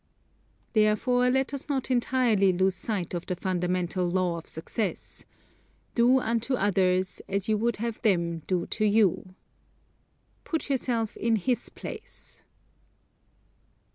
Therefore let us not entirely lose sight of the fundamental law of success. "Do unto others as you would have them do to you." "Put yourself in his place."